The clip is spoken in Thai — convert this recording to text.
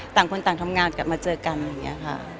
ต่างคนต่างทำงานกลับมาเจอกันอะไรอย่างนี้ค่ะ